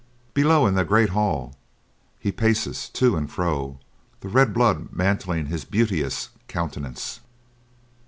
Below in the great hall he paces to and fro, the red blood mantling his beauteous countenance."